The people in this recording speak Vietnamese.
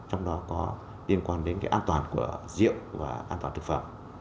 trong đó có liên quan đến cái an toàn của rượu và an toàn thực phẩm